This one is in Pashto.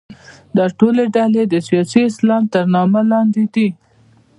دا ټولې ډلې د سیاسي اسلام تر نامه لاندې دي.